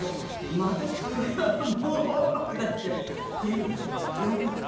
またそれからもう１パック出して全部で４パック。